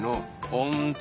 温泉。